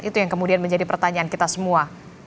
itu yang kemudian menjadi pertanyaan kita semua